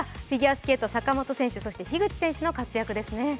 フィギュアスケート坂本選手、樋口選手の活躍ですね。